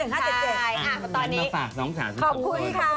งั้นเราฝากน้องสาสองคุณ